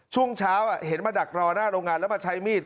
ช่วงเช้าเห็นมาดักรอหน้าโรงงานแล้วมาใช้มีด